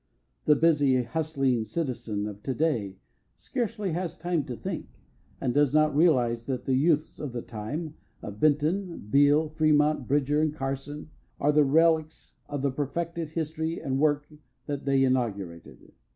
The busy, hustling citizen of to day scarcely has time to think, and does not realize that the youths of the time of Benton, Beal, Fremont, Bridger, and Carson are the relicts of the perfected history and work that they inaugurated.